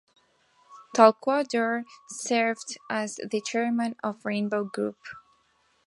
Talukdar served as the chairman of Rainbow Group.